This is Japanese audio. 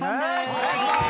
お願いします。